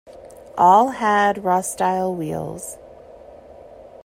All had "Rostyle" wheels.